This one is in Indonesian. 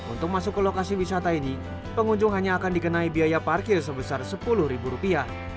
untuk masuk ke lokasi wisata ini pengunjung hanya akan dikenai biaya parkir sebesar sepuluh ribu rupiah